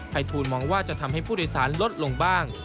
ทูลมองว่าจะทำให้ผู้โดยสารลดลงบ้าง